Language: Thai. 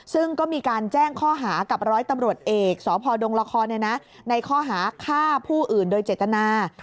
ซึ่งก็มีการแจ้งข้อหากับร้อยตำรวจเอกสพดงละครในข้อหาฆ่าผู้อื่นโดยเจตนา